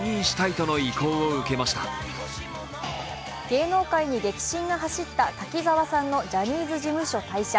芸能界に激震が走った滝沢さんのジャニーズ事務所退社。